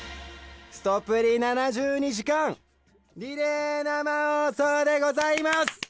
７２時間リレー生放送でございます！